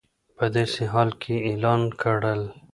په داسې حال کې اعلان کړل